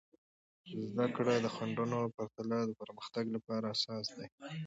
زده کړه د خنډونو پرته د پرمختګ لپاره اساس دی.